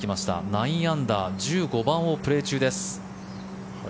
９アンダー１５番をプレー中です。